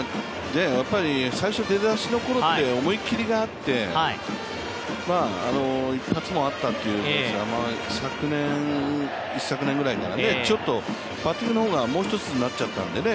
最初出だしのころって思い切りがあって一発もあったということは昨年、一昨年ぐらいから、バッティングの方がもうひとつになっちゃったんでね